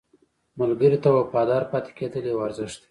ملګری ته وفادار پاتې کېدل یو ارزښت دی